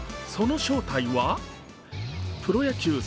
その正体はプロ野球